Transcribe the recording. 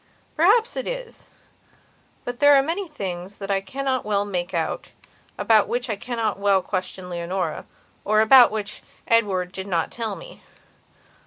Perhaps it is. But there are many things that I cannot well make out, about which I cannot well question Leonora, or about which Edward did not tell me.